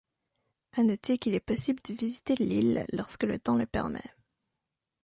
À noter qu'il est possible de visiter l'île, lorsque le temps le permet.